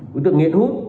đối tượng nghiện hút